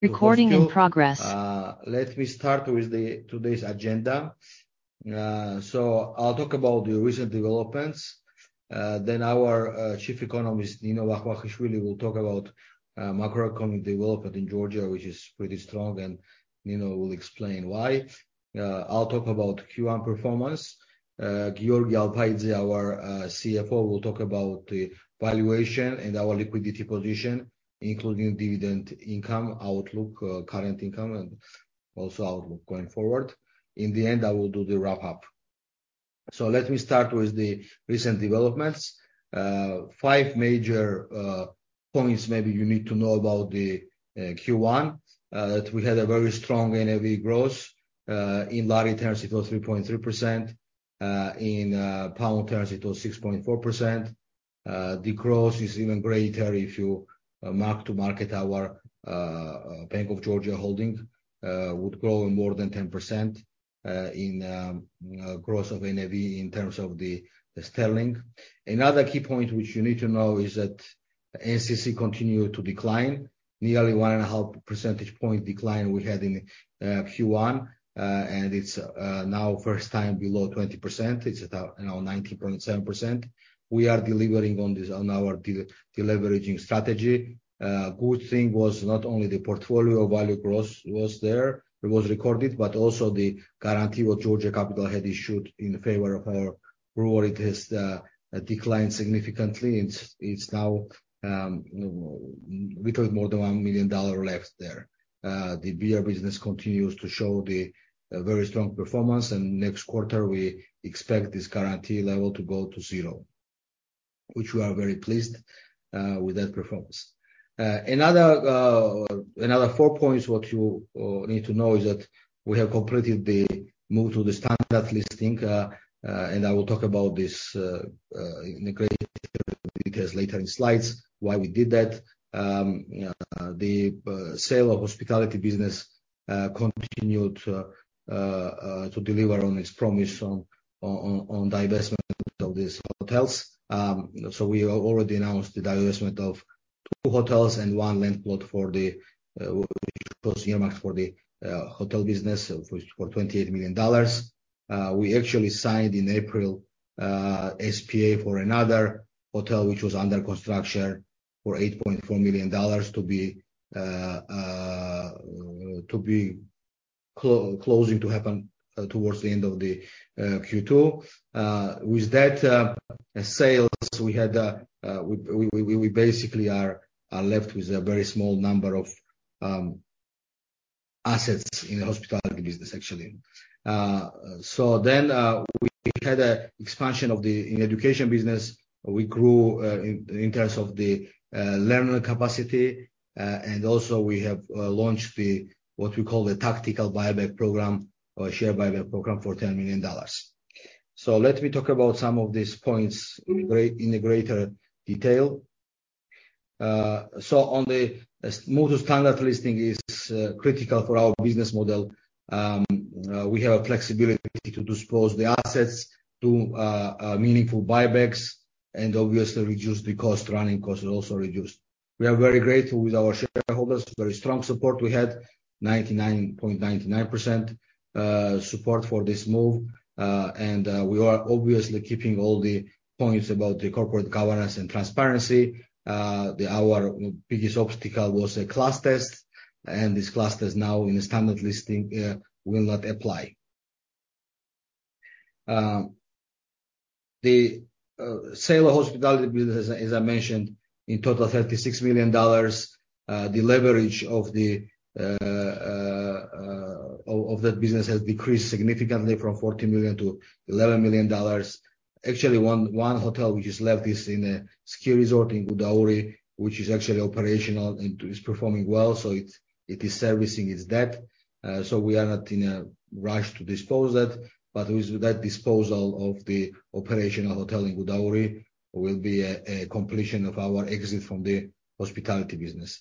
Let me start with the today's agenda. I'll talk about the recent developments, then our Chief Economist, Nino Vakhvakhishvili, will talk about macroeconomic development in Georgia, which is pretty strong, and Nino will explain why. I'll talk about Q1 performance. Giorgi Alpaidze, our CFO, will talk about the valuation and our liquidity position, including dividend income outlook, current income, and also outlook going forward. In the end, I will do the wrap-up. Let me start with the recent developments. Five major points maybe you need to know about the Q1. That we had a very strong NAV growth. In lari terms, it was 3.3%. In pound terms, it was 6.4%. The growth is even greater if you mark-to-market our Bank of Georgia holding, would grow more than 10%, in growth of NAV in terms of the sterling. Another key point which you need to know is that NCC continued to decline. Nearly 1.5 percentage point decline we had in Q1. And it's now first time below 20%. It's at, you know, 19.7%. We are delivering on this, on our deleveraging strategy. Good thing was not only the portfolio value growth was there, it was recorded, but also the guarantee what Georgia Capital had issued in favor of our grower, it has declined significantly. It's now little more than $1 million left there. The beer business continues to show the very strong performance. Next quarter we expect this guarantee level to go to zero, which we are very pleased with that performance. Another four points what you need to know is that we have completed the move to the Standard Listing. I will talk about this in greater details later in slides, why we did that. The sale of hospitality business continued to deliver on its promise on divestment of these hotels. We already announced the divestment of two hotels and one land plot for the which was earmarked for the hotel business, of which for $28 million. We actually signed in April, SPA for another hotel, which was under construction, for $8.4 million to be closing to happen towards the end of the Q2. With that, sales we had, we basically are left with a very small number of assets in the hospitality business, actually. We had a expansion of the education business. We grew in terms of the learner capacity. Also we have launched what we call the tactical buyback program, or share buyback program for $10 million. Let me talk about some of these points in a greater detail. On the move to Standard Listing is critical for our business model. We have flexibility to dispose the assets to meaningful buybacks and obviously reduce the cost. Running costs are also reduced. We are very grateful with our shareholders. Very strong support. We had 99.99% support for this move. We are obviously keeping all the points about the corporate governance and transparency. Our biggest obstacle was a class test. This class test now in the Standard Listing will not apply. The sale of hospitality business, as I mentioned, in total $36 million. The leverage of that business has decreased significantly from $40 million- $11 million. Actually, one hotel which is left is in a ski resort in Gudauri, which is actually operational and is performing well. It is servicing its debt. We are not in a rush to dispose that, but with that disposal of the operational hotel in Gudauri will be a completion of our exit from the hospitality business.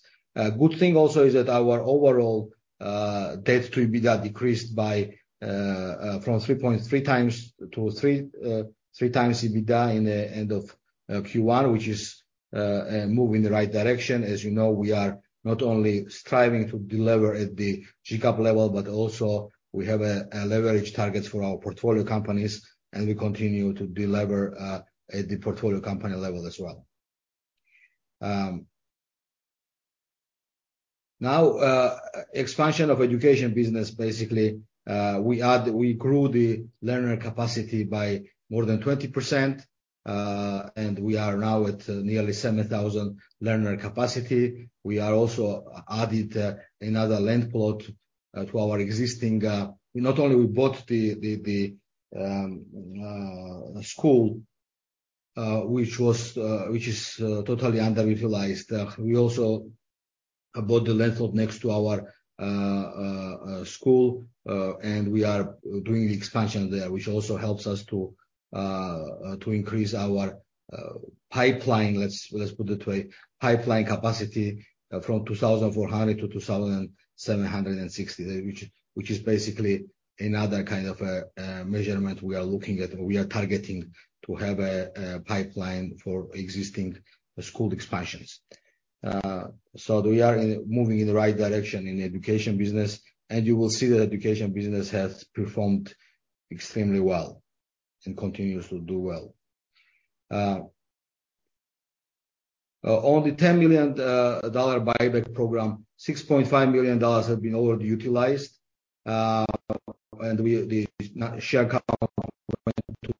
Good thing also is that our overall debt to EBITDA decreased by from 3.3 times to three times EBITDA in the end of Q1, which is moving in the right direction. As you know, we are not only striving to delever at the GCAP level, but also we have a leverage targets for our portfolio companies, and we continue to delever at the portfolio company level as well. Now, expansion of education business. Basically, we grew the learner capacity by more than 20%, and we are now at nearly 7,000 learner capacity. We are also added another land plot to our existing. Not only we bought the school, which is totally underutilized. We also bought the land plot next to our school, and we are doing the expansion there, which also helps us to increase our pipeline, let's put it that way, pipeline capacity, from 2,400-2,760, which is basically another kind of a measurement we are looking at. We are targeting to have a pipeline for existing school expansions. We are moving in the right direction in the education business, and you will see that education business has performed extremely well and continues to do well. On the $10 million buyback program, $6.5 million have been already utilized, and the share count went to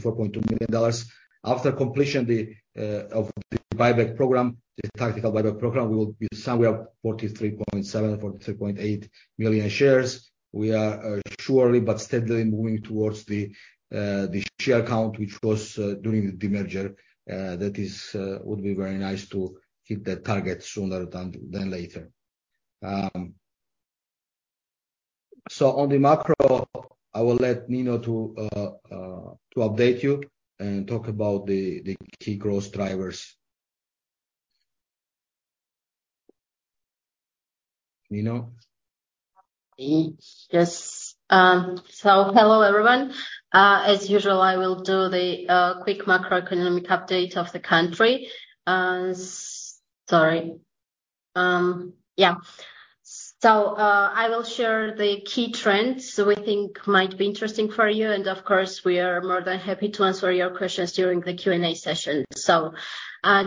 $44.2 million. After completion of the buyback program, the tactical buyback program will be somewhere 43.7, 43.8 million shares. We are surely but steadily moving towards the share count, which was during the demerger. That is would be very nice to hit that target sooner than later. On the macro, I will let Nino to update you and talk about the key growth drivers. Nino? Yes. Hello everyone. As usual, I will do the quick macroeconomic update of the country. Sorry. I will share the key trends we think might be interesting for you, and of course, we are more than happy to answer your questions during the Q&A session.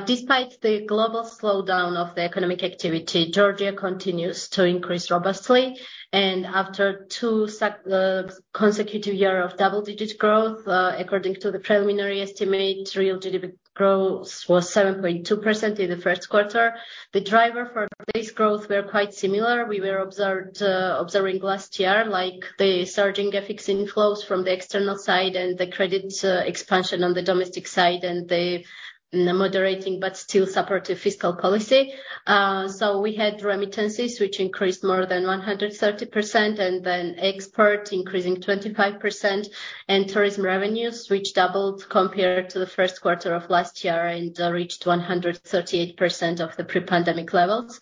Despite the global slowdown of the economic activity, Georgia continues to increase robustly. After two consecutive year of double-digit growth, according to the preliminary estimate, real GDP growth was 7.2% in the first quarter. The driver for this growth were quite similar. Observing last year, like the surging FX inflows from the external side and the credit expansion on the domestic side and the moderating but still supportive fiscal policy. We had remittances, which increased more than 130%, and then export increasing 25%, and tourism revenues, which doubled compared to the first quarter of last year and reached 138% of the pre-pandemic levels.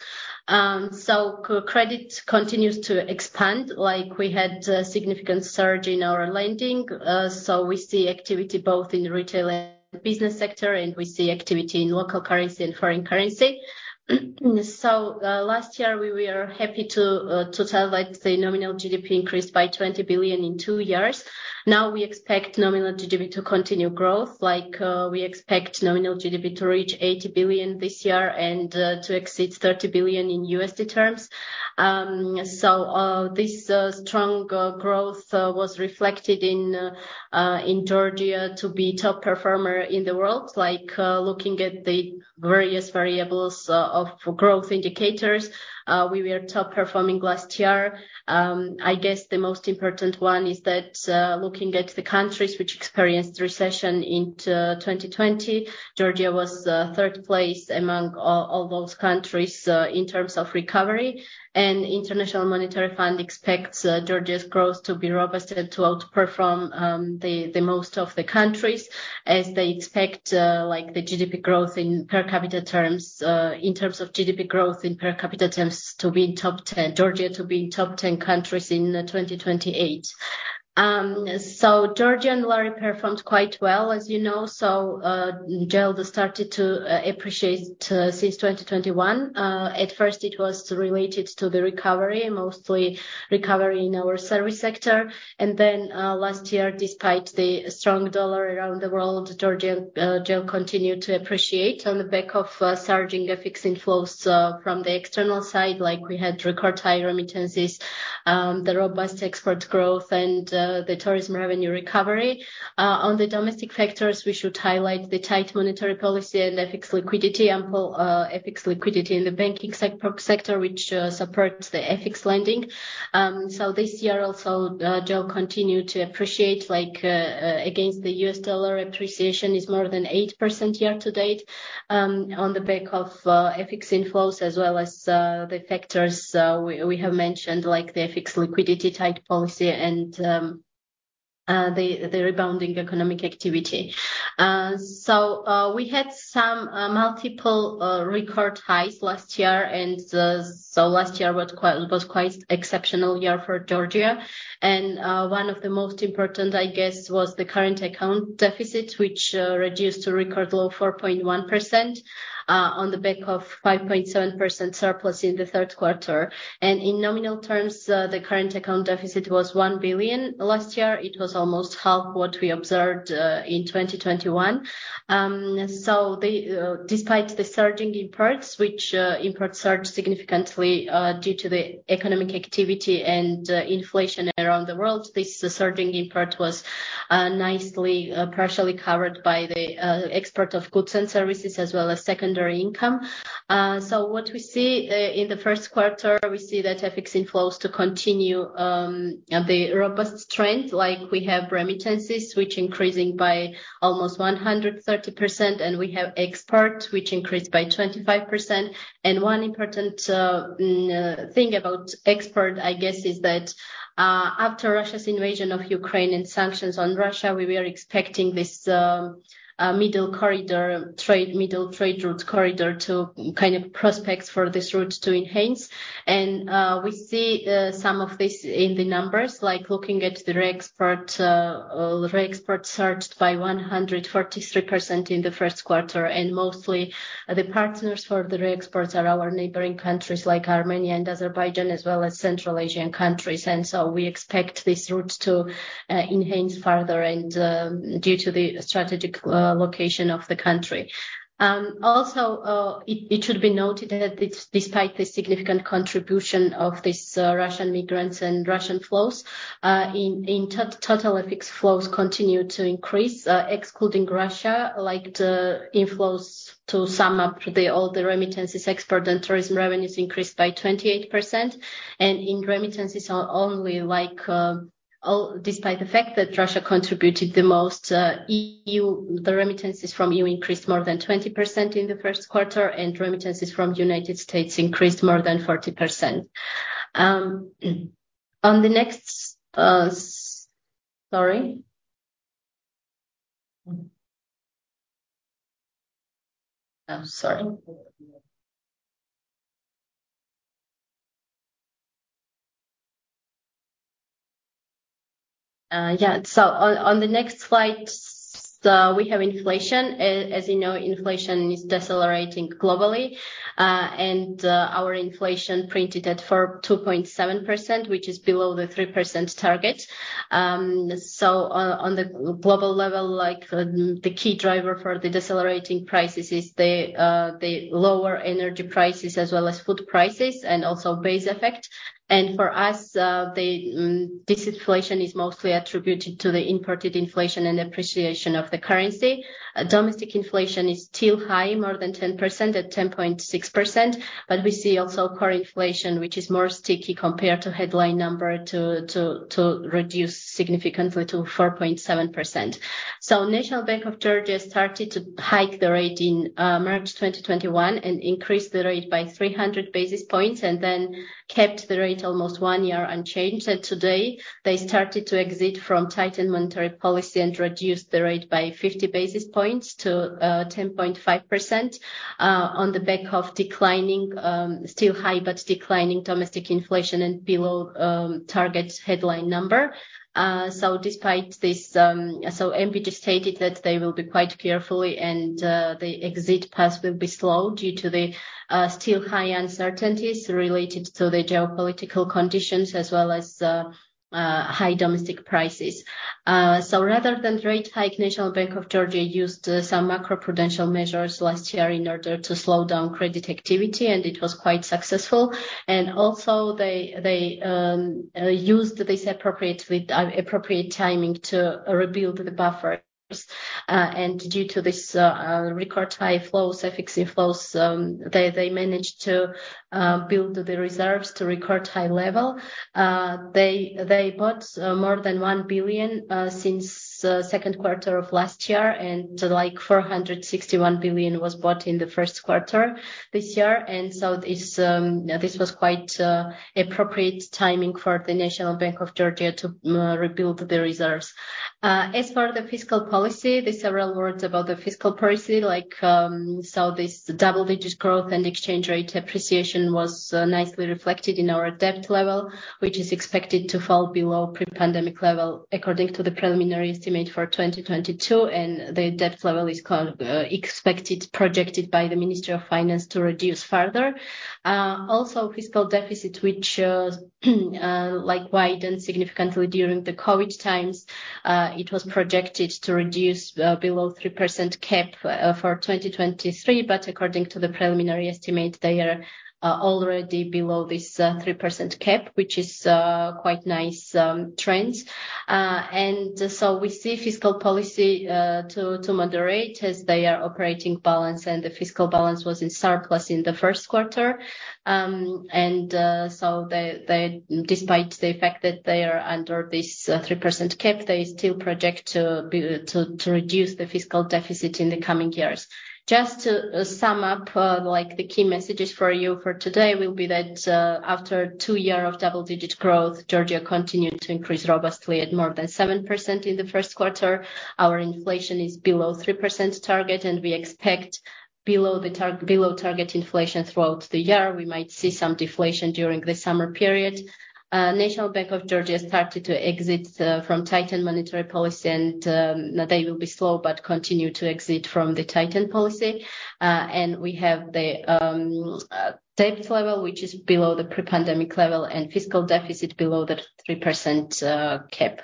Credit continues to expand, like we had a significant surge in our lending. We see activity both in retail and business sector, and we see activity in local currency and foreign currency. Last year we were happy to tell that the nominal GDP increased by GEL 20 billion in two years. Now we expect nominal GDP to continue growth, like, we expect nominal GDP to reach GEL 80 billion this year and to exceed $30 billion in USD terms. This strong growth was reflected in Georgia to be top performer in the world. Like, looking at the various variables of growth indicators, we were top performing last year. I guess the most important one is that, looking at the countries which experienced recession into 2020, Georgia was third place among all those countries in terms of recovery. International Monetary Fund expects Georgia's growth to be robust and to outperform the most of the countries as they expect like the GDP growth in per capita terms, in terms of GDP growth in per capita terms to be in top 10-- Georgia to be in top 10 countries in 2028. Georgia and lari performed quite well, as you know. GEL started to appreciate since 2021. At first it was related to the recovery, mostly recovery in our service sector. Last year, despite the strong dollar around the world, Georgian GEL continued to appreciate on the back of surging FX inflows from the external side, like we had record high remittances, the robust export growth and the tourism revenue recovery. On the domestic factors, we should highlight the tight monetary policy and FX liquidity, ample FX liquidity in the banking sector which supports the FX lending. This year also, GEL continued to appreciate against the U.S. dollar appreciation is more than 8% year to date on the back of FX inflows as well as the factors we have mentioned, the FX liquidity tight policy and the rebounding economic activity. We had some multiple record highs last year. Last year was quite exceptional year for Georgia. One of the most important, I guess, was the current account deficit, which reduced to record low 4.1% on the back of 5.7% surplus in the third quarter. In nominal terms, the current account deficit was $1 billion. Last year it was almost half what we observed in 2021. Despite the surging imports which imports surged significantly due to the economic activity and inflation around the world, this surging import was nicely partially covered by the export of goods and services as well as secondary income. What we see in the first quarter, we see that FX inflows to continue at the robust trend. Like we have remittances, which increasing by almost 130%, and we have export, which increased by 25%. One important thing about export, I guess, is that after Russia's invasion of Ukraine and sanctions on Russia, we were expecting this Middle Corridor trade route corridor prospects for this route to enhance. We see some of this in the numbers, like looking at the re-export surged by 143% in the first quarter. Mostly the partners for the re-exports are our neighboring countries like Armenia and Azerbaijan, as well as Central Asian countries. We expect this route to enhance further and due to the strategic location of the country. Also, it should be noted that despite the significant contribution of these Russian migrants and Russian flows, in to-total effects flows continue to increase, excluding Russia, like the inflows to sum up the, all the remittances export and tourism revenues increased by 28%. In remittances are only like, all despite the fact that Russia contributed the most, EU, the remittances from EU increased more than 20% in the first quarter, and remittances from United States increased more than 40%. On the next slide, we have inflation. As you know, inflation is decelerating globally, and our inflation printed at for 2.7%, which is below the 3% target. On the global level, like the key driver for the decelerating prices is the lower energy prices as well as food prices and also base effect. For us, the inflation is mostly attributed to the imported inflation and appreciation of the currency. Domestic inflation is still high, more than 10%, at 10.6%, we see also core inflation, which is more sticky compared to headline number to reduce significantly to 4.7%. National Bank of Georgia started to hike the rate in March 2021 and increased the rate by 300 basis points, kept the rate almost one year unchanged. Today, they started to exit from tightened monetary policy and reduced the rate by 50 basis points to 10.5% on the back of declining, still high but declining domestic inflation and below targets headline number. Despite this, NBG stated that they will be quite carefully and the exit path will be slow due to the still high uncertainties related to the geopolitical conditions as well as high domestic prices. Rather than rate hike, National Bank of Georgia used some macroprudential measures last year in order to slow down credit activity, and it was quite successful. Also they used this appropriately, appropriate timing to rebuild the buffers. Due to this record high flows, fixing flows, they managed to build the reserves to record high level. They bought more than $1 billion since second quarter of last year, and like $461 billion was bought in the first quarter this year. This was quite appropriate timing for the National Bank of Georgia to rebuild the reserves. As for the fiscal policy, there are several words about the fiscal policy like this double-digit growth and exchange rate appreciation was nicely reflected in our debt level, which is expected to fall below pre-pandemic level according to the preliminary estimate for 2022. The debt level is expected, projected by the Ministry of Finance to reduce further. Also fiscal deficit, which, like widened significantly during the COVID times, it was projected to reduce below 3% cap for 2023, but according to the preliminary estimate, they are already below this 3% cap, which is quite nice trends. We see fiscal policy to moderate as they are operating balance, and the fiscal balance was in surplus in the first quarter. They, despite the fact that they are under this 3% cap, they still project to reduce the fiscal deficit in the coming years. Just to sum up, like the key messages for you for today will be that after two year of double-digit growth, Georgia continued to increase robustly at more than 7% in the first quarter. Our inflation is below 3% target, and we expect below target inflation throughout the year. We might see some deflation during the summer period. National Bank of Georgia started to exit from tightened monetary policy and they will be slow but continue to exit from the tightened policy. We have the debt level, which is below the pre-pandemic level, and fiscal deficit below the 3% cap.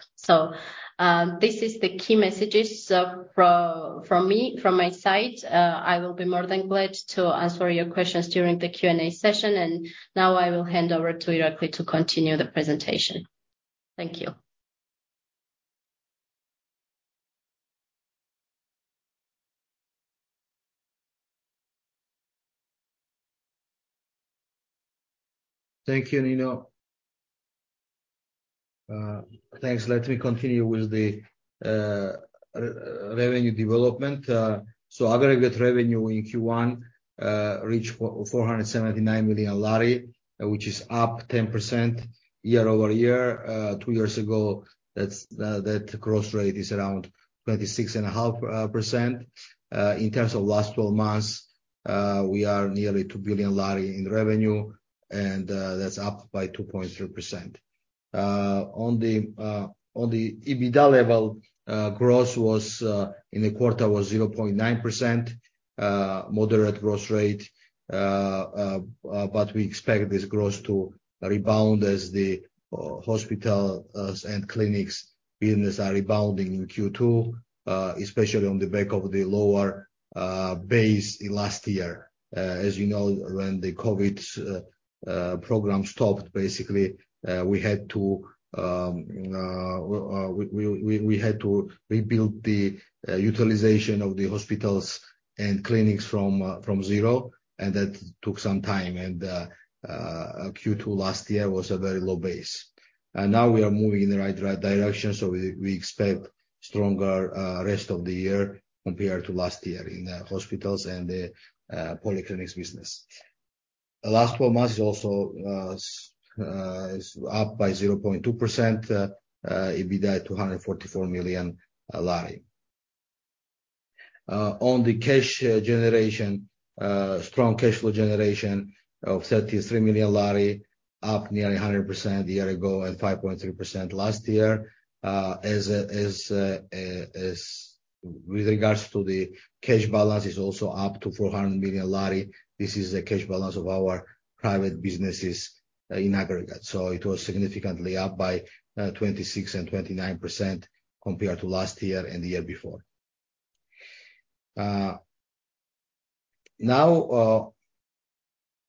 This is the key messages from me, from my side. I will be more than glad to answer your questions during the Q&A session. Now I will hand over to Irakli to continue the presentation. Thank you. Thank you, Nino. Thanks. Let me continue with the revenue development. Aggregate revenue in Q1 reached GEL 479 million, which is up 10% year-over-year. Two years ago, that's that growth rate is around 26.5%. In terms of last 12 months, we are nearly GEL 2 billion in revenue, that's up by 2.3%. On the EBITDA level, growth was in the quarter was 0.9%, moderate growth rate. We expect this growth to rebound as the hospital and clinics business are rebounding in Q2, especially on the back of the lower base last year. As you know, when the COVID program stopped, basically, we had to rebuild the utilization of the hospitals and clinics from zero, and that took some time. Q2 last year was a very low base. Now we are moving in the right direction, so we expect stronger rest of the year compared to last year in the hospitals and the polyclinics business. The last 12 months also is up by 0.2%, EBITDA GEL 244 million. On the cash generation, strong cash flow generation of GEL 33 million, up nearly 100% a year ago and 5.3% last year. As with regards to the cash balance is also up to GEL 400 million. This is the cash balance of our private businesses in aggregate. It was significantly up by 26% and 29% compared to last year and the year before.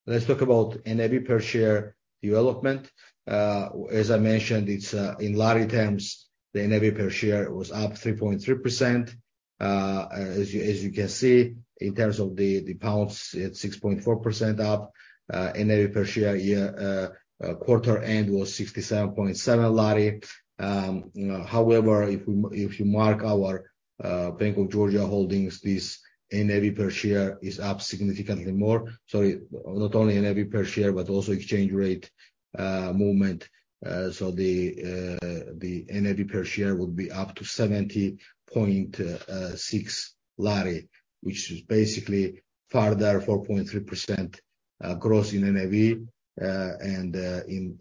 Let's talk about NAV per share development. As I mentioned, it's in GEL terms, the NAV per share was up 3.3%. As you can see, in terms of the GBP, it's 6.4% up. NAV per share year quarter end was GEL 67.7. However, if you mark our Bank of Georgia holdings, this NAV per share is up significantly more. Sorry, not only NAV per share, but also exchange rate movement. The NAV per share would be up to 70.6 GEL, which is basically further 4.3% growth in NAV. In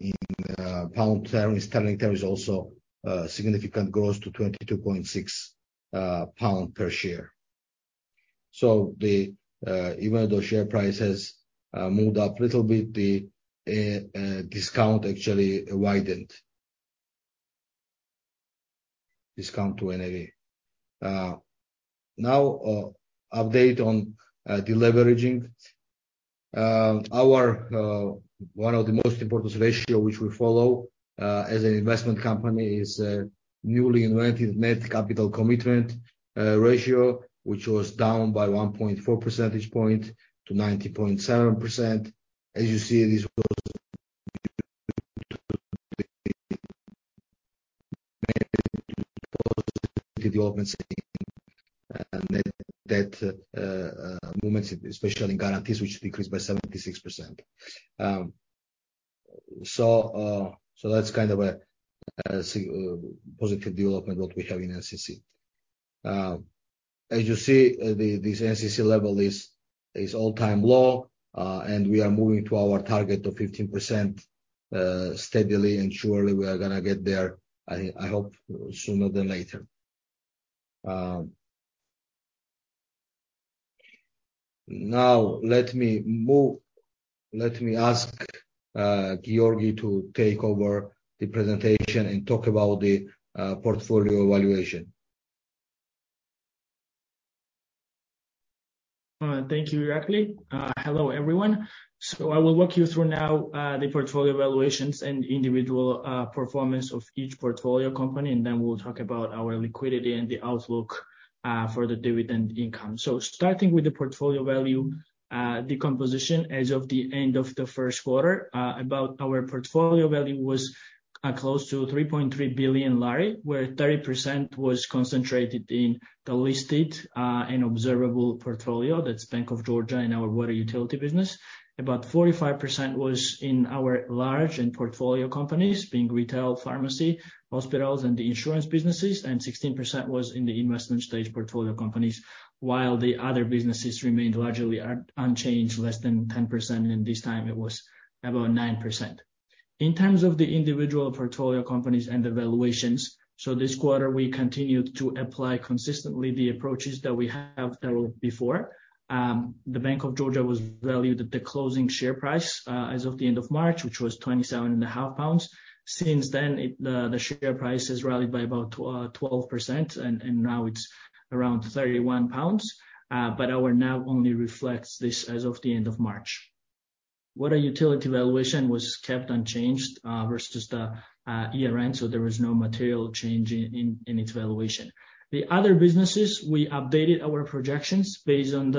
pound terms, sterling terms also significant growth to 22.6 pound per share. Even though share price has moved up a little bit, the discount actually widened. Discount to NAV. Now update on deleveraging. Our one of the most important ratio which we follow as an investment company is newly invented Net Capital Commitment ratio, which was down by 1.4 percentage point to 90.7%. As you see, this was net debt movements, especially in guarantees, which decreased by 76%. That's kind of a positive development what we have in NCC. As you see, this NCC level is all-time low, and we are moving to our target of 15%, steadily, and surely we are gonna get there, I hope sooner than later. Now let me ask Giorgi to take over the presentation and talk about the portfolio valuation. Thank you, Irakli. Hello, everyone. I will walk you through now the portfolio valuations and individual performance of each portfolio company, and then we'll talk about our liquidity and the outlook for the dividend income. Starting with the portfolio value decomposition as of the end of the first quarter, about our portfolio value was close to GEL 3.3 billion, where 30% was concentrated in the listed and observable portfolio. That's Bank of Georgia and our Water Utility business. About 45% was in our large and portfolio companies, being retail (pharmacy), hospitals, and the insurance businesses. 16% was in the investment stage portfolio companies, while the other businesses remained largely unchanged, less than 10%, and this time it was about 9%. In terms of the individual portfolio companies and the valuations, this quarter we continued to apply consistently the approaches that we have told before. The Bank of Georgia was valued at the closing share price as of the end of March, which was twenty-seven and a half pounds. Since then, the share price has rallied by about 12%, and now it's around 31 pounds. Our NAV only reflects this as of the end of March. Water Utility valuation was kept unchanged versus the year-end, there was no material change in its valuation. The other businesses, we updated our projections based on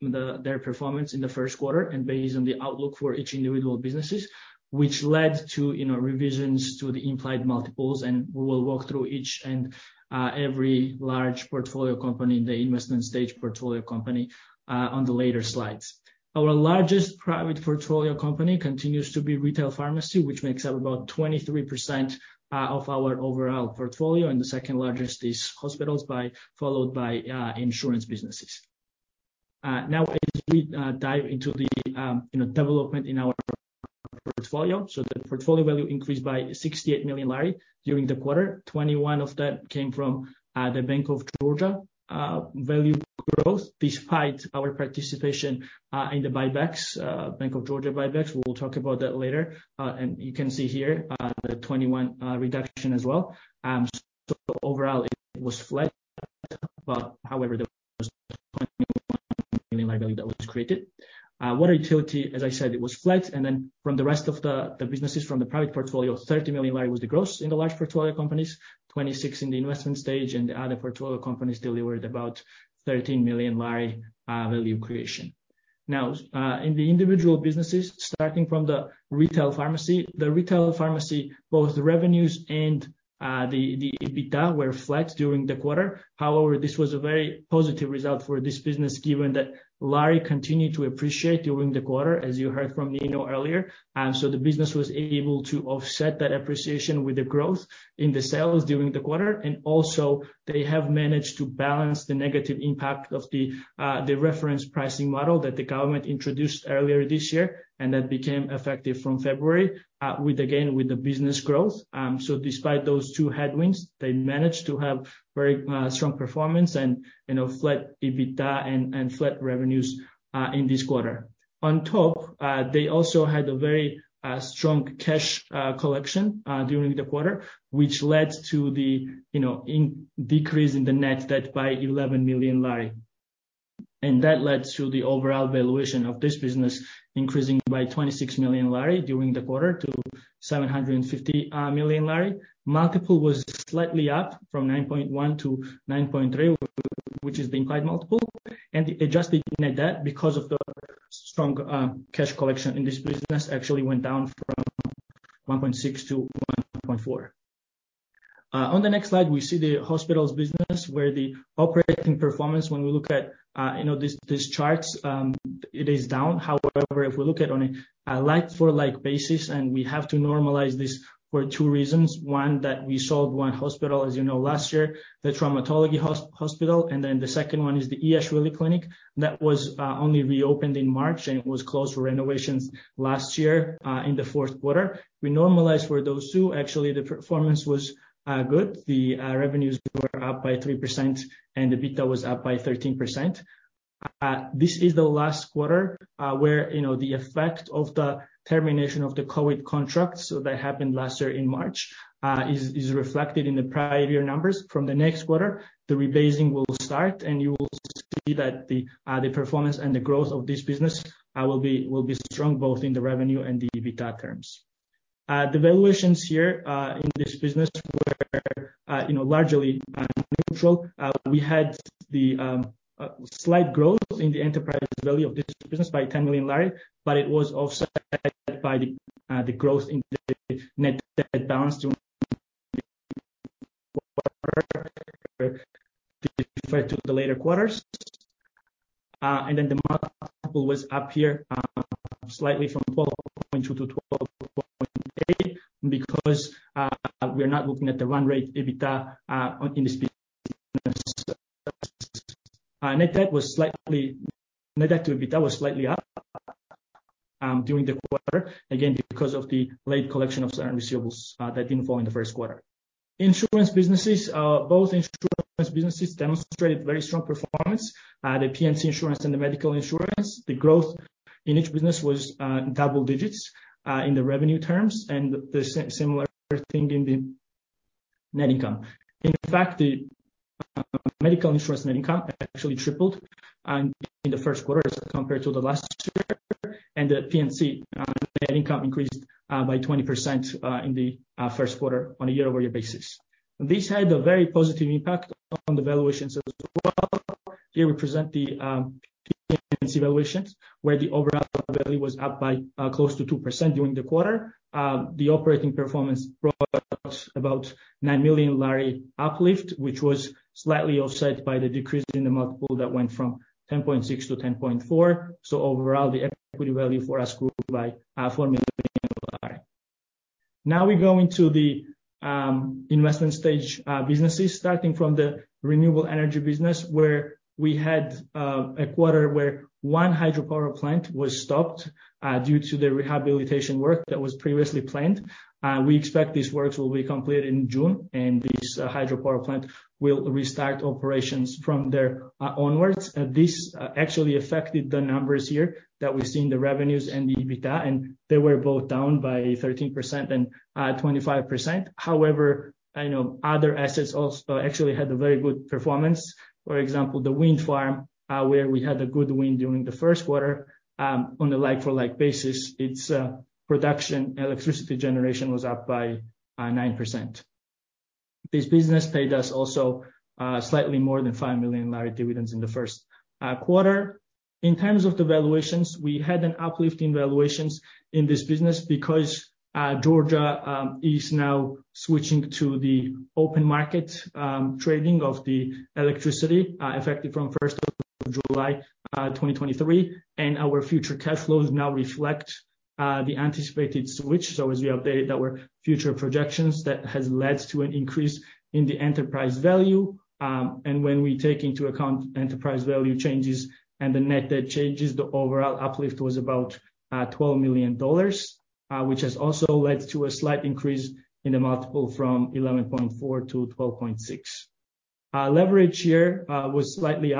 their performance in the first quarter and based on the outlook for each individual businesses, which led to, you know, revisions to the implied multiples, and we will walk through each and every large portfolio company in the investment stage portfolio company on the later slides. Our largest private portfolio company continues to be retail pharmacy, which makes up about 23% of our overall portfolio, and the second largest is hospitals followed by insurance businesses. Now as we dive into the, you know, development in our portfolio. The portfolio value increased by GEL 68 million during the quarter. 21 of that came from the Bank of Georgia value growth despite our participation in the buybacks, Bank of Georgia buybacks. We'll talk about that later. You can see here, the 21 reduction as well. Overall it was flat, but however, there was GEL 21 million that was created. Water Utility, as I said, it was flat. From the rest of the businesses from the private portfolio, GEL 30 million was the growth in the large portfolio companies, GEL 26 million in the investment stage, and the other portfolio companies delivered about GEL 13 million value creation. Now, in the individual businesses, starting from the retail (pharmacy). The retail (pharmacy), both the revenues and the EBITDA were flat during the quarter. This was a very positive result for this business, given that lari continued to appreciate during the quarter, as you heard from Nino earlier. The business was able to offset that appreciation with the growth in the sales during the quarter. They have managed to balance the negative impact of the reference pricing model that the government introduced earlier this year, and that became effective from February, with again, with the business growth. Despite those two headwinds, they managed to have very strong performance and, you know, flat EBITDA and flat revenues in this quarter. They also had a very strong cash collection during the quarter, which led to the, you know, decrease in the net debt by GEL 11 million. That led to the overall valuation of this business increasing by GEL 26 million during the quarter to GEL 750 million. Multiple was slightly up from 9.1-9.3, which is the implied multiple. The adjusted net debt, because of the strong cash collection in this business, actually went down from 1.6-1.4. On the next slide, we see the hospitals business where the operating performance, when we look at, you know, these charts, it is down. However, if we look at on a like-for-like basis, we have to normalize this for two reasons. One, that we sold one hospital, as you know, last year, the traumatology hospital. The second one is the Iashvili Clinic that was only reopened in March, and it was closed for renovations last year in the fourth quarter. We normalized for those two. Actually, the performance was good. The revenues were up by 3%, and EBITDA was up by 13%. This is the last quarter, you know, where the effect of the termination of the COVID contracts that happened last year in March is reflected in the prior year numbers. From the next quarter, the rebasing will start, and you will see that the performance and the growth of this business will be strong both in the revenue and the EBITDA terms. The valuations here in this business were, you know, largely neutral. We had the slight growth in the enterprise value of this business by GEL 10 million, but it was offset by the growth in the net debt balance during to the later quarters. The multiple was up here slightly from 12.2-12.8 because we are not looking at the run rate EBITDA in this business. Net debt to EBITDA was slightly up during the quarter, again, because of the late collection of certain receivables that didn't fall in the first quarter. Insurance businesses. Both insurance businesses demonstrated very strong performance. The P&C insurance and the medical insurance. The growth in each business was double digits in the revenue terms and the similar thing in the net income. In fact, the medical insurance net income actually tripled in the first quarter as compared to the last year. The P&C net income increased by 20% in the first quarter on a year-over-year basis. This had a very positive impact on the valuations as well. Here we present the P&C valuations, where the overall value was up by close to 2% during the quarter. The operating performance brought us about GEL 9 million uplift, which was slightly offset by the decrease in the multiple that went from 10.6-10.4. Overall, the equity value for us grew by GEL 4 million. Now we go into the investment stage businesses, starting from the renewable energy business, where we had a quarter where one hydropower plant was stopped due to the rehabilitation work that was previously planned. We expect these works will be completed in June, and this hydropower plant will restart operations from there onwards. This actually affected the numbers here that we see in the revenues and the EBITDA, they were both down by 13% and 25%. However, I know other assets also actually had a very good performance. For example, the wind farm, where we had a good wind during the first quarter. On a like-for-like basis, its production electricity generation was up by 9%. This business paid us also, slightly more than GEL 5 million dividends in the first quarter. In terms of the valuations, we had an uplift in valuations in this business because Georgia is now switching to the open market trading of the electricity, effective from July 1, 2023. Our future cash flows now reflect the anticipated switch. As we updated our future projections that has led to an increase in the enterprise value. When we take into account enterprise value changes and the net debt changes, the overall uplift was about $12 million. Which has also led to a slight increase in the multiple from 11.4-12.6. Leverage here was slightly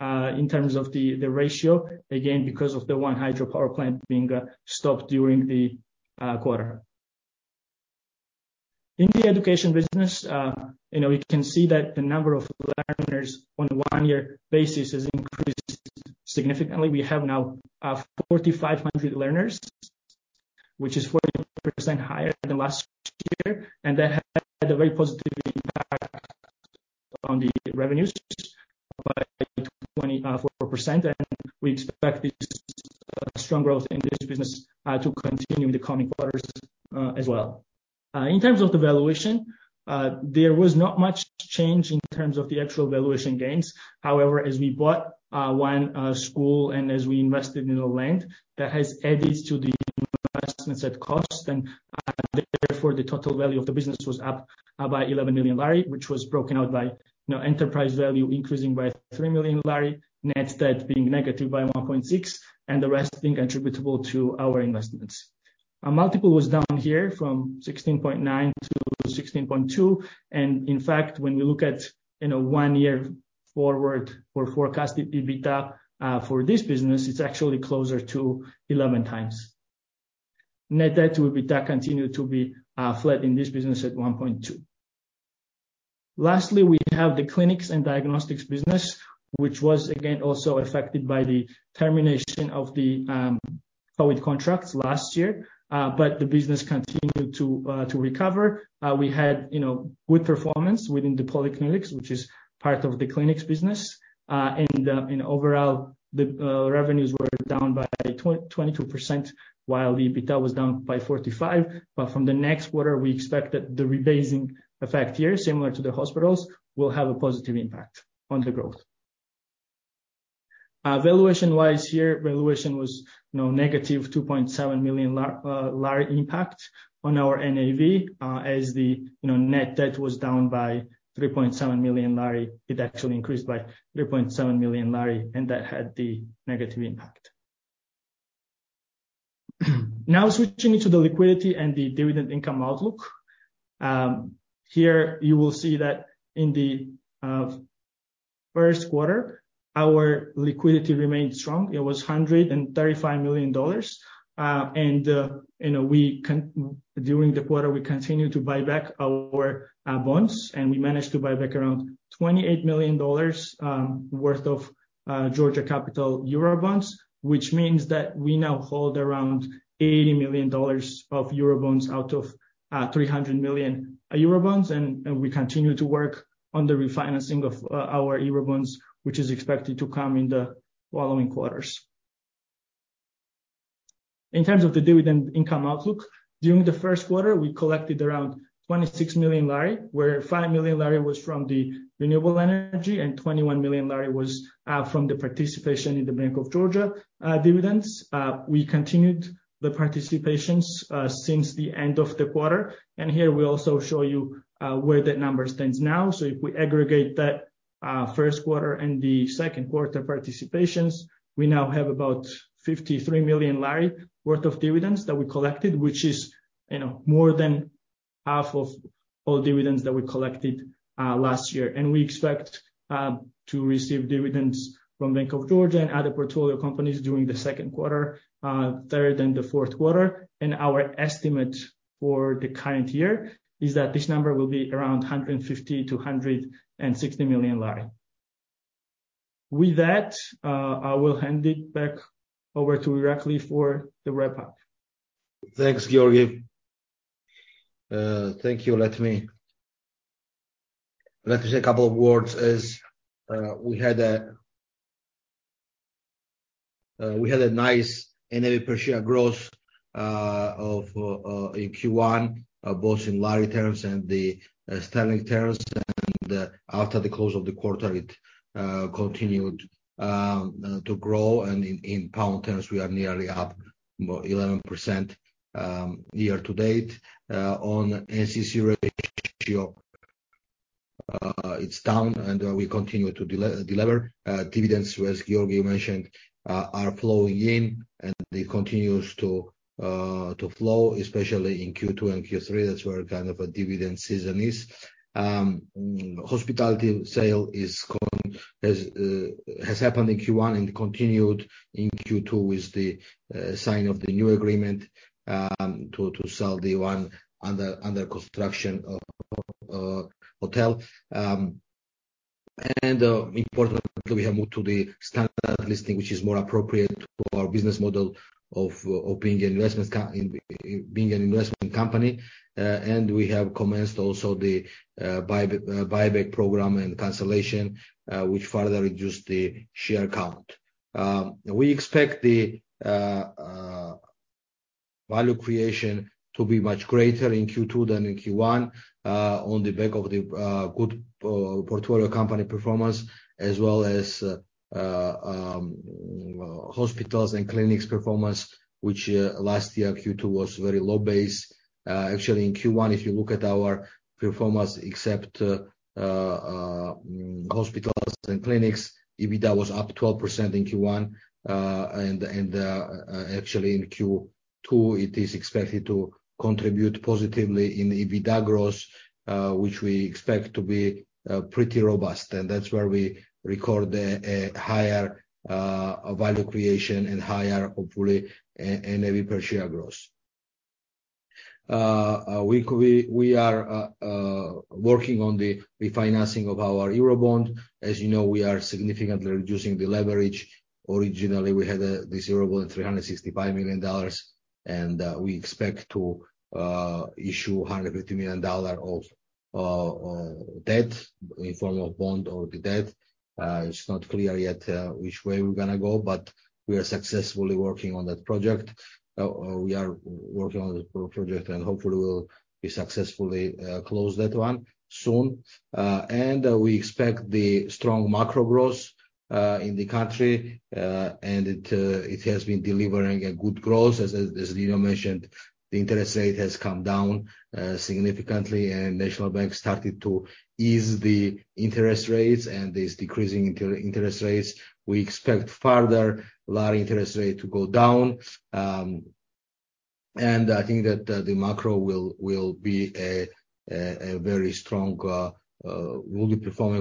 up in terms of the ratio, again, because of the one hydropower plant being stopped during the quarter. In the education business, you know, we can see that the number of learners on a one-year basis has increased significantly. We have now 4,500 learners, which is 41% higher than last year, and that had a very positive impact on the revenues by 24%. We expect this strong growth in this business to continue in the coming quarters as well. In terms of the valuation, there was not much change in terms of the actual valuation gains. However, as we bought one school and as we invested in the land, that has added to the investments at cost, and therefore the total value of the business was up by GEL 11 million, which was broken out by, you know, enterprise value increasing by GEL 3 million, net debt being negative by GEL 1.6 million, and the rest being attributable to our investments. Our multiple was down here from 16.9-16.2. In fact, when we look at, you know, one year forward for forecasted EBITDA for this business, it's actually closer to 11 times. Net debt to EBITDA continued to be flat in this business at 1.2. Lastly, we have the clinics and diagnostics business, which was again also affected by the termination of the COVID contracts last year. The business continued to recover. We had, you know, good performance within the polyclinics, which is part of the clinics business. In overall the revenues were down by 22%, while the EBITDA was down by 45%. From the next quarter, we expect that the rebasing effect here, similar to the hospitals, will have a positive impact on the growth. Valuation-wise here, valuation was, you know, negative GEL 2.7 million GEL impact on our NAV. As the, you know, net debt was down by GEL 3.7 million, it actually increased by GEL 3.7 million. That had the negative impact. Now switching into the liquidity and the dividend income outlook. Here you will see that in the first quarter, our liquidity remained strong. It was $135 million. You know, During the quarter, we continued to buy back our bonds, and we managed to buy back around $28 million worth of Georgia Capital Eurobonds. Which means that we now hold around $80 million of Eurobonds out of $300 million Eurobonds. And we continue to work on the refinancing of our Eurobonds, which is expected to come in the following quarters. In terms of the dividend income outlook, during the first quarter, we collected around 26 million GEL. Where 5 million GEL was from the renewable energy, and 21 million GEL was from the participation in the Bank of Georgia dividends. We continued the participations since the end of the quarter. Here we also show you where that number stands now. If we aggregate that first quarter and the second quarter participations, we now have about 53 million GEL worth of dividends that we collected, which is, you know, more than half of all dividends that we collected last year. We expect to receive dividends from Bank of Georgia and other portfolio companies during the second quarter, third and the fourth quarter. Our estimate for the current year is that this number will be around GEL 150 million-GEL 160 million. With that, I will hand it back over to Irakli for the wrap-up. Thanks, Giorgi. Thank you. Let me say a couple of words as we had a nice NAV per share growth in Q1, both in lari terms and the sterling terms. After the close of the quarter, it continued to grow. In pound terms, we are nearly up 11% year to date. On NCC ratio, it's down, and we continue to deliver. Dividends, as Giorgi mentioned, are flowing in, and it continues to flow, especially in Q2 and Q3. That's where kind of a dividend season is. Hospitality sale is gone. Has happened in Q1 and continued in Q2 with the sign of the new agreement to sell the one under construction hotel. Importantly, we have moved to the Standard Listing, which is more appropriate to our business model of being an investment in being an investment company. We have commenced also the buyback program and cancellation, which further reduced the share count. We expect value creation to be much greater in Q2 than in Q1, on the back of the good portfolio company performance, as well as hospitals and clinics performance, which last year Q2 was very low base. Actually in Q1, if you look at our performance, except hospitals and clinics, EBITDA was up 12% in Q1. Actually in Q2, it is expected to contribute positively in EBITDA growth, which we expect to be pretty robust. That's where we record the higher value creation and higher hopefully, and every per share growth. We are working on the refinancing of our Eurobond. As you know, we are significantly reducing the leverage. Originally, we had this Eurobond $365 million, and we expect to issue $150 million of debt in form of bond or the debt. It's not clear yet, which way we're going to go, but we are successfully working on that project. We are working on the project and hopefully we'll be successfully close that one soon. We expect the strong macro growth in the country. It has been delivering a good growth. As Nino mentioned, the interest rate has come down significantly and National Bank started to ease the interest rates and is decreasing interest rates. We expect further lower interest rate to go down. And I think that the macro will be performing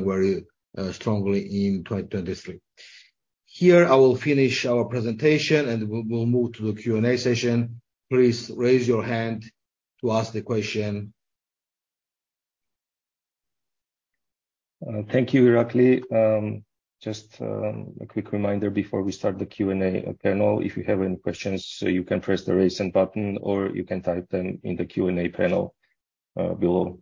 very strongly in 2023. Here, I will finish our presentation and we'll move to the Q&A session. Please raise your hand to ask the question. Thank you, Irakli. Just a quick reminder before we start the Q&A panel. If you have any questions, you can press the Raise Hand button or you can type them in the Q&A panel, below.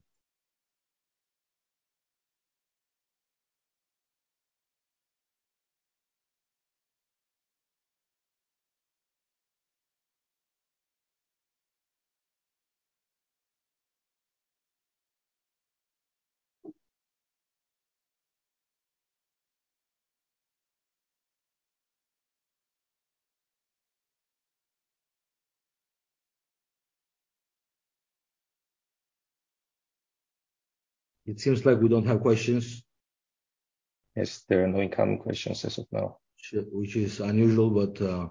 It seems like we don't have questions. Yes. There are no incoming questions as of now. Shit. Which is unusual, but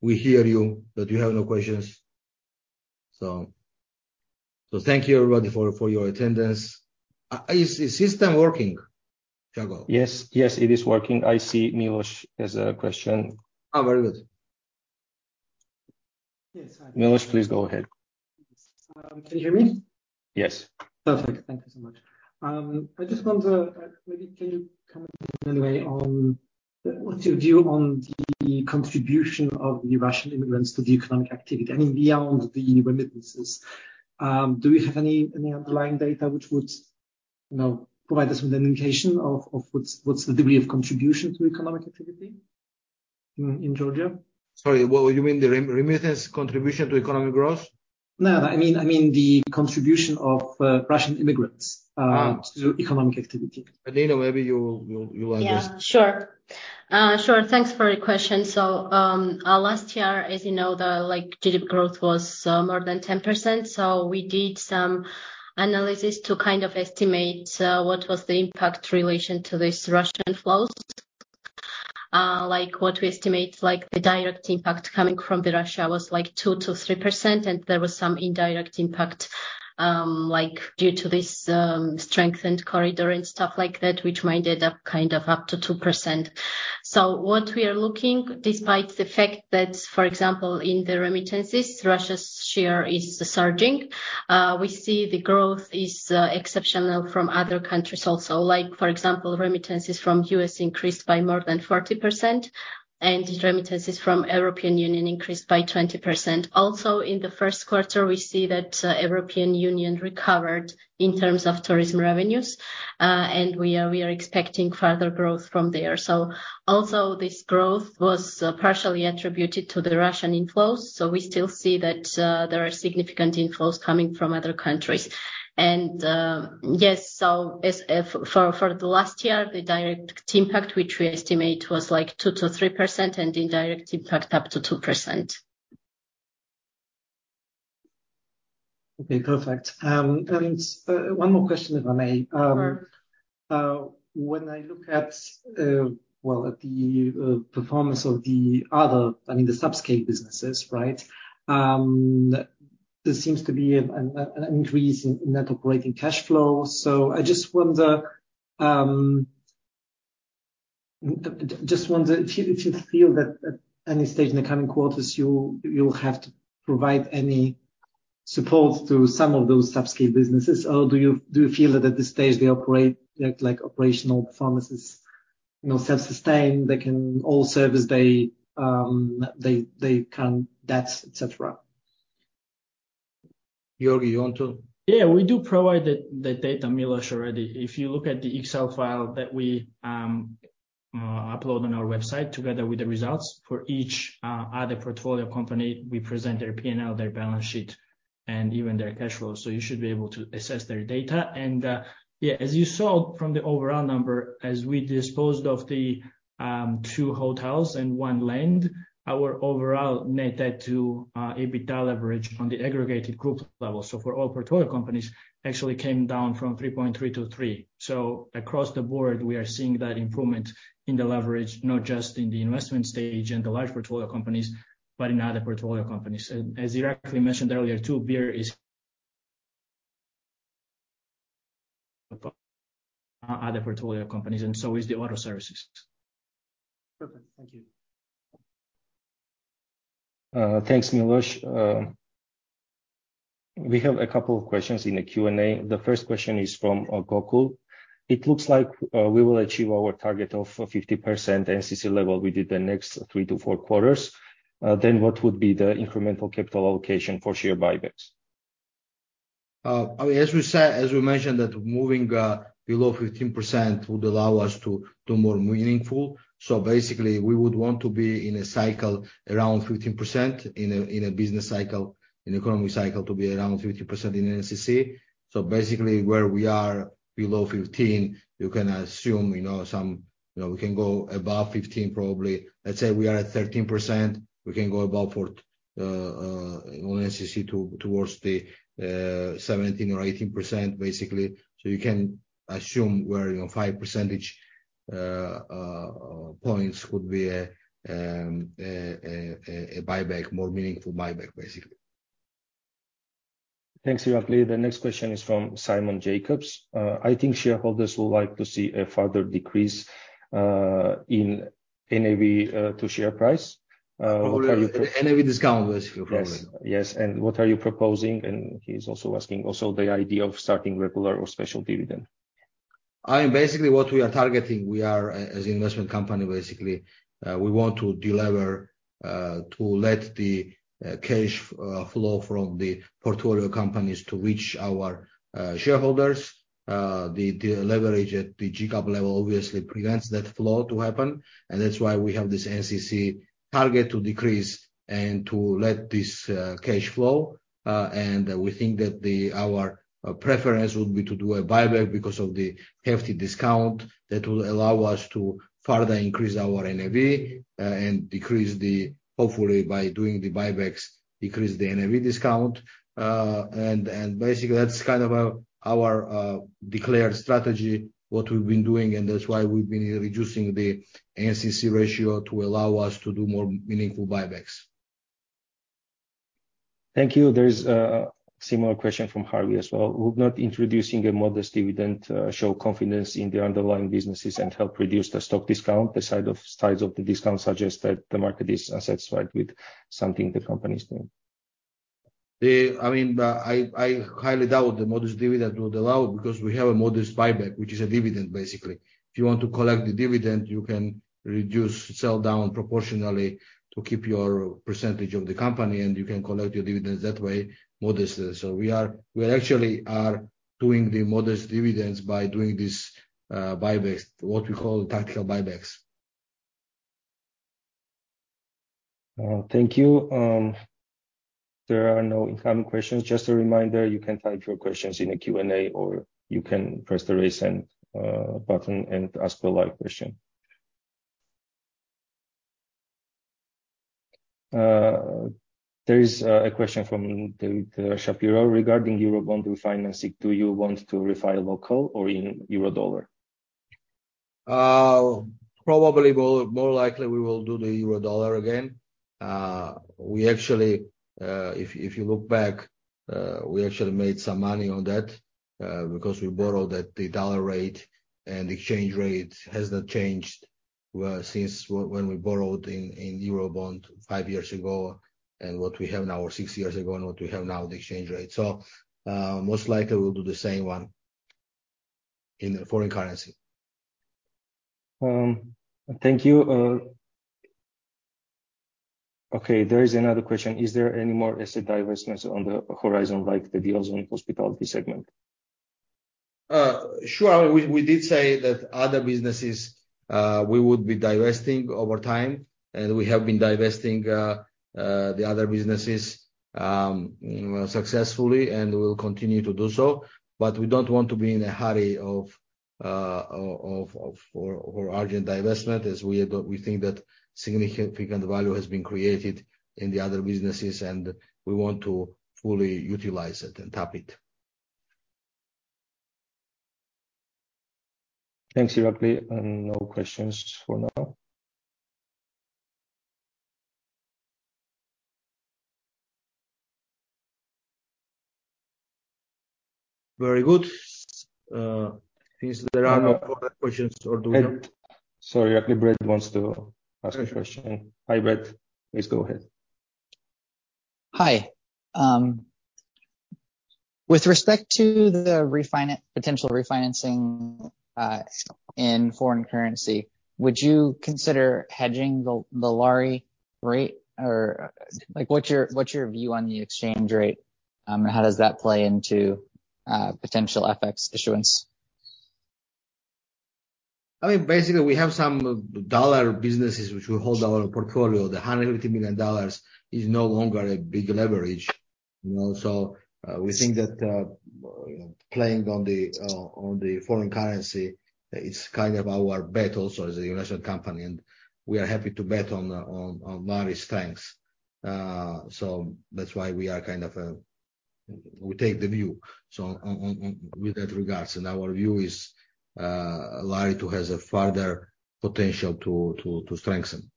we hear you that you have no questions. Thank you everybody for your attendance. Is system working, Jagal? Yes. Yes, it is working. I see Miloš has a question. Oh, very good. Yes, hi. Miloš, please go ahead. Can you hear me? Yes. Perfect. Thank you so much. I just wonder, maybe can you comment anyway on what's your view on the contribution of the Russian immigrants to the economic activity? I mean, beyond the remittances. Do we have any underlying data which would, you know, provide us with an indication of what's the degree of contribution to economic activity in Georgia? Sorry, what, you mean the remittance contribution to economic growth? No, I mean the contribution of Russian immigrants- Ah. to economic activity. Nino, maybe you will address. Sure. Sure. Thanks for your question. Last year, as you know, the like GDP growth was more than 10%. We did some analysis to kind of estimate what was the impact relation to this Russian flows. Like, what we estimate, like, the direct impact coming from the Russia was, like, 2%-3%, and there was some indirect impact, like due to this strengthened corridor and stuff like that, which might end up kind of up to 2%. What we are looking, despite the fact that, for example, in the remittances, Russia's share is surging. We see the growth is exceptional from other countries also. Like for example, remittances from U.S. increased by more than 40%, and remittances from European Union increased by 20%. In the first quarter, we see that European Union recovered in terms of tourism revenues, and we are expecting further growth from there. Also this growth was partially attributed to the Russian inflows. We still see that there are significant inflows coming from other countries. Yes, as for the last year, the direct impact, which we estimate was like 2%-3% and indirect impact up to 2%. Okay, perfect. one more question, if I may. Sure. When I look at, well, at the performance of the other, I mean the sub-scale businesses, right? There seems to be an increase in net operating cash flow. I just wonder if you feel that at any stage in the coming quarters you'll have to provide any support to some of those sub-scale businesses, or do you feel that at this stage they operate like operational performances, you know, self-sustained, they can all service they can debts, et cetera? Giorgi, you want. We do provide the data, Miloš, already. If you look at the Excel file that we upload on our website together with the results. For each other portfolio company, we present their P&L, their balance sheet, and even their cash flows, so you should be able to assess their data. As you saw from the overall number, as we disposed of the two hotels and one land, our overall net debt to EBITDA leverage on the aggregated group level, so for all portfolio companies, actually came down from 3.3 to three. Across the board, we are seeing that improvement in the leverage, not just in the investment stage and the large portfolio companies, but in other portfolio companies. As Irakli mentioned earlier too, beer is other portfolio companies, and so is the auto service. Perfect. Thank you. Thanks, Miloš. We have a couple of questions in the Q&A. The first question is from, Gokul. It looks like, we will achieve our target of 50% NCC level within the next three-four quarters. What would be the incremental capital allocation for share buybacks? I mean, as we mentioned that moving below 15% would allow us to more meaningful. Basically we would want to be in a cycle around 15% in a business cycle, in economy cycle to be around 15% in NCC. Basically where we are below 15 you can assume, you know, we can go above 15 probably. Let's say we are at 13%, we can go above for on NCC towards the 17% or 18% basically. You can assume we're, you know, five percentage points would be a buyback, more meaningful buyback, basically. Thanks, Irakli. The next question is from Simon Jacobs. I think shareholders would like to see a further decrease in NAV to share price. What are you. NAV discount basically, probably. Yes, and what are you proposing? He's also asking the idea of starting regular or special dividend. I mean, basically what we are targeting, we are as investment company, basically, we want to delever, to let the cash flow from the portfolio companies to reach our shareholders. The leverage at the GCAP level obviously prevents that flow to happen, and that's why we have this NCC target to decrease and to let this cash flow. We think that our preference would be to do a buyback because of the hefty discount that will allow us to further increase our NAV, and decrease hopefully by doing the buybacks, decrease the NAV discount. Basically that's kind of our declared strategy, what we've been doing, and that's why we've been reducing the NCC ratio to allow us to do more meaningful buybacks. Thank you. There's a similar question from Harvey as well. Would not introducing a modest dividend, show confidence in the underlying businesses and help reduce the stock discount? The size of the discount suggests that the market is unsatisfied with something the company is doing. I mean, I highly doubt the modest dividend would allow because we have a modest buyback, which is a dividend basically. If you want to collect the dividend, you can reduce, sell down proportionally to keep your percentage of the company, and you can collect your dividends that way modestly. We actually are doing the modest dividends by doing this buybacks, what we call tactical buybacks. Thank you. There are no incoming questions. Just a reminder, you can type your questions in the Q&A, or you can press the raise hand button and ask a live question. There is a question from David Shapiro. Regarding Eurobonds refinancing, do you want to refi local or in euro dollar? probably more likely we will do the Eurodollar again. We actually, if you look back, we actually made some money on that because we borrowed at the dollar rate, and exchange rate has not changed since when we borrowed in Eurobond five years ago and what we have now, or six years ago, and what we have now, the exchange rate. Most likely we'll do the same one in the foreign currency. Thank you. There is another question. Is there any more asset divestments on the horizon like the deals in hospitality segment? Sure. We did say that other businesses we would be divesting over time, and we have been divesting the other businesses successfully, and we will continue to do so. We don't want to be in a hurry of, for urgent divestment, as we think that significant value has been created in the other businesses, and we want to fully utilize it and tap it. Thanks, Irakli. No questions for now. Very good. Since there are no further questions or do you... Sorry, Irakli. Brett wants to ask a question. Okay. Hi, Brett. Please go ahead. Hi. With respect to the potential refinancing, in foreign currency, would you consider hedging the lari rate? Like what's your view on the exchange rate, and how does that play into potential FX issuance? I mean, basically, we have some dollar businesses which will hold our portfolio. The $150 million is no longer a big leverage, you know. We think that playing on the foreign currency is kind of our bet also as a United company, and we are happy to bet on Lari's strengths. That's why We take the view. On with that regards, and our view is Lari, too, has a further potential to strengthen.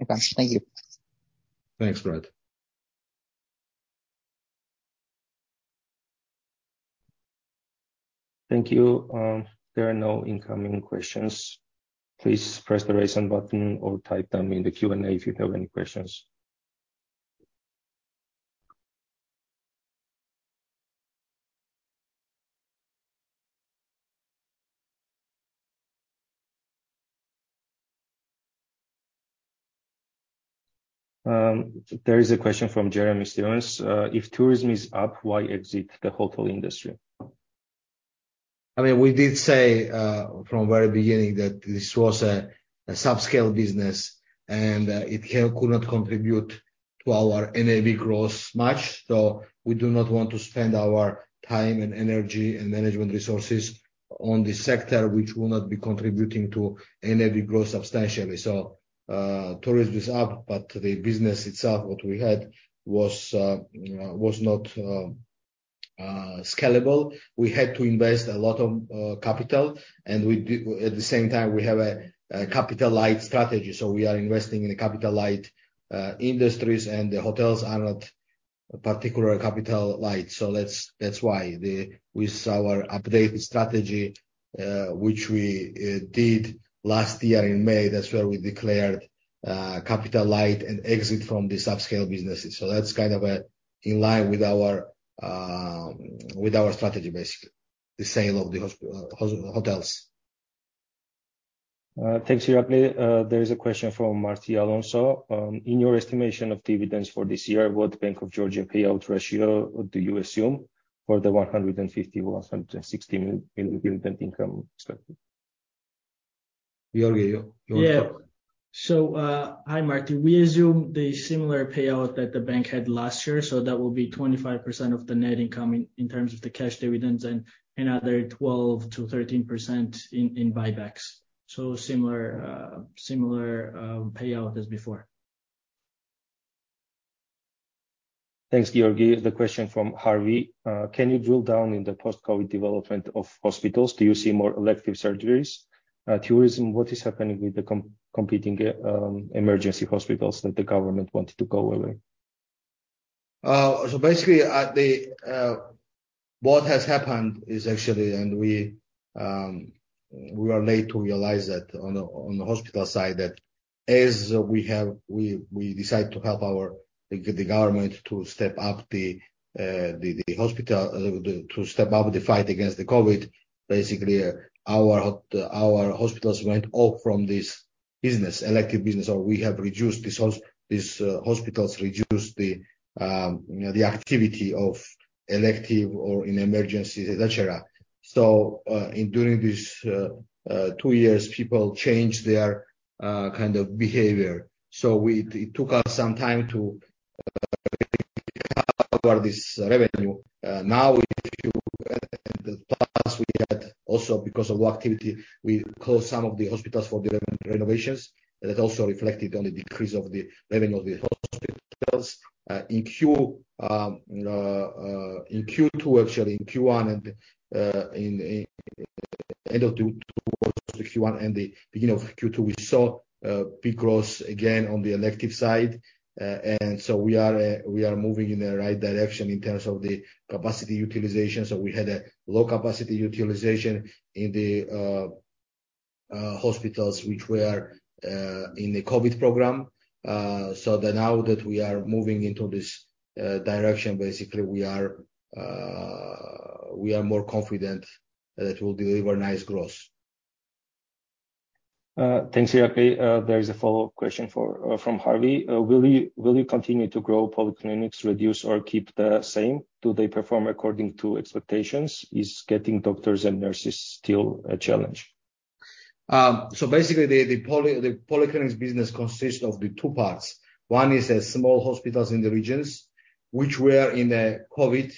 Okay. Thank you. Thanks, Brett. Thank you. There are no incoming questions. Please press the Raise Hand button or type them in the Q&A if you have any questions. There is a question from Jeremy Stevens. If tourism is up, why exit the hotel industry? I mean, we did say from very beginning that this was a subscale business, and it could not contribute to our NAV growth much. We do not want to spend our time and energy and management resources on this sector, which will not be contributing to NAV growth substantially. Tourism is up, the business itself, what we had was not scalable. We had to invest a lot of capital, and at the same time, we have a capital light strategy. We are investing in a capital light industries, the hotels are not particular capital light. That's why. With our updated strategy, which we did last year in May, that's where we declared capital light and exit from the subscale businesses. That's kind of, in line with our, with our strategy, basically, the sale of the hotels. Thanks, Irakli. There is a question from Marty Alonso. In your estimation of dividends for this year, what Bank of Georgia payout ratio do you assume for the $150 million-$160 million dividend income expected? Giorgi, you want to talk? Hi, Marty. We assume the similar payout that the bank had last year. That will be 25% of the net income in terms of the cash dividends and another 12%-13% in buybacks. Similar payout as before. Thanks, Giorgi. The question from Harvey. Can you drill down in the post-COVID development of hospitals? Do you see more elective surgeries? Tourism, what is happening with the competing emergency hospitals that the government wanted to go away? What has happened is actually, and we were late to realize that on the hospital side that as we decide to help our government to step up the hospital to step up the fight against the COVID, basically, our hospitals went off from this business, elective business, or we have reduced these hospitals reduced the activity of elective or in emergency, et cetera. In during this two years, people changed their kind of behavior. It took us some time to cover this revenue. Now if you the past we had also because of activity, we closed some of the hospitals for the renovations. That also reflected on the decrease of the revenue of the hospitals. Uh, in Q, um, uh, uh, in Q2, actually in Q1 and, uh, in, in end of June Q1 and the beginning of Q2, we saw, uh, big growth again on the elective side. Uh, and so we are, uh, we are moving in the right direction in terms of the capacity utilization. So we had a low capacity utilization in the, uh, uh, hospitals which were, uh, in the COVID program. Uh, so that now that we are moving into this, uh, direction, basically, we are, uh, we are more confident that it will deliver nice growth. Thanks, Irakli. There is a follow-up question for, from Harvey. Will you continue to grow polyclinics, reduce or keep the same? Do they perform according to expectations? Is getting doctors and nurses still a challenge? Basically, the polyclinics business consists of the two parts. One is a small hospitals in the regions which were in the COVID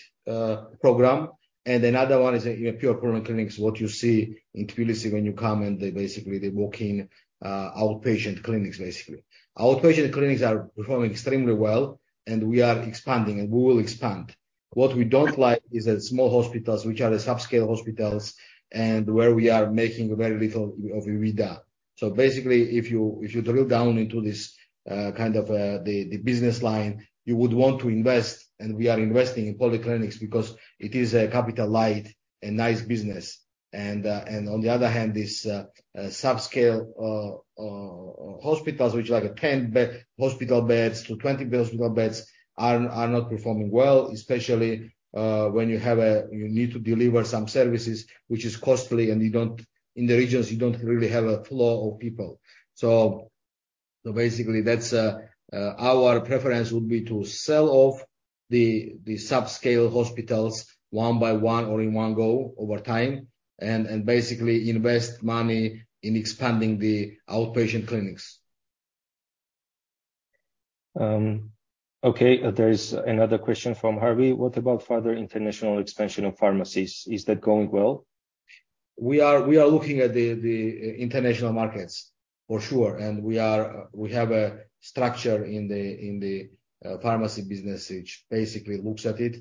program, and another one is a pure polyclinics, what you see in Tbilisi when you come, and they walk in outpatient clinics, basically. Outpatient clinics are performing extremely well, and we are expanding, and we will expand. What we don't like is that small hospitals, which are the subscale hospitals and where we are making very little of EBITDA. Basically, if you drill down into this kind of the business line, you would want to invest, and we are investing in polyclinics because it is a capital light and nice business. On the other hand, this subscale hospitals which are like a 10 hospital beds to 20 hospital beds are not performing well, especially when you have. You need to deliver some services which is costly and you don't in the regions you don't really have a flow of people. Basically that's our preference would be to sell off the subscale hospitals one by one or in one go over time and basically invest money in expanding the outpatient clinics. Okay. There is another question from Harvey. What about further international expansion of pharmacies? Is that going well? We are looking at the international markets for sure. We have a structure in the pharmacy business which basically looks at it.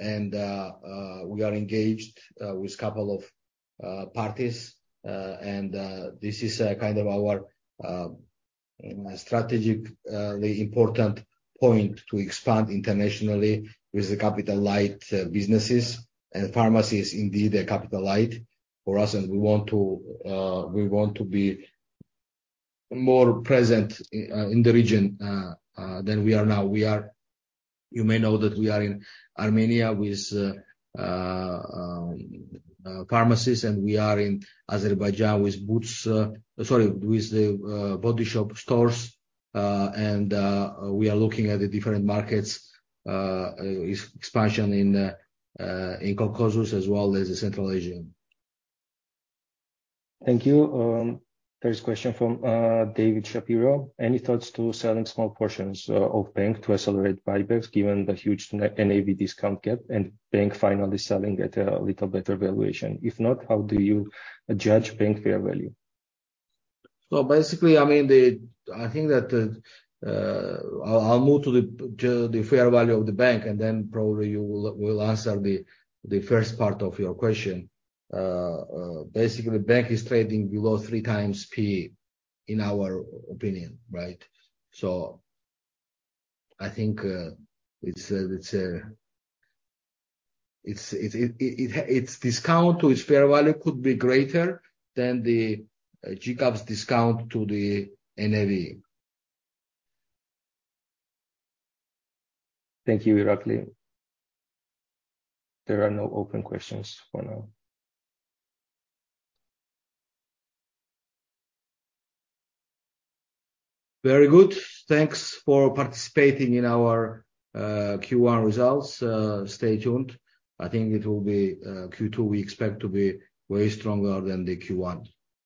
We are engaged with couple of parties. This is kind of our strategic important point to expand internationally with the capital light businesses. And pharmacy is indeed a capital light for us and we want to be more present in the region than we are now. You may know that we are in Armenia with pharmacies and we are in Azerbaijan with Boots, sorry, with the Body Shop stores. We are looking at the different markets, expansion in Caucasus as well as the Central Asia. Thank you. There's a question from David Shapiro. Any thoughts to selling small portions of Bank to accelerate buybacks given the huge net NAV discount gap and Bank finally selling at a little better valuation? If not, how do you judge Bank fair value? Basically, I mean, I think that I'll move to the fair value of the bank and then probably you will answer the first part of your question. Basically, bank is trading below three times P in our opinion, right? I think, it's its discount to its fair value could be greater than the GCAP's discount to the NAV. Thank you, Irakli. There are no open questions for now. Very good. Thanks for participating in our Q1 results. Stay tuned. I think it will be Q2 we expect to be way stronger than the Q1.